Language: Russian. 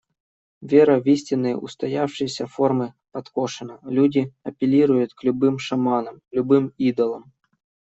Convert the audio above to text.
Вера в истинные, устоявшиеся формы подкошена, люди апеллируют к любым шаманам, любым идолам.